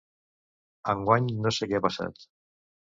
Enguany, no sé què ha passat...